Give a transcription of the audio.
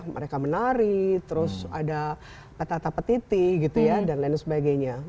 mereka menari terus ada petata petiti dan lain sebagainya